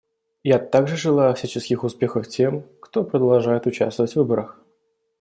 Я также желаю всяческих успехов тем, кто продолжает участвовать в выборах.